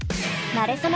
なれそめ！